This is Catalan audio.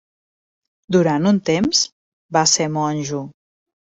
Durant un temps va ser monjo.